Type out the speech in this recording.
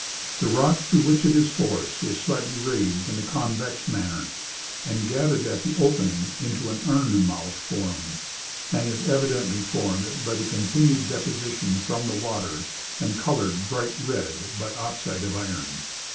The rock through which it is forced is slightly raised in a convex manner, and gathered at the opening into an urn mouthed form, and is evidently formed by continued deposition from the water, and colored bright red by oxide of iron.